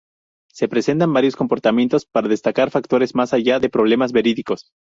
Se presentan varios comportamientos para destacar factores más allá de problemas verídicos.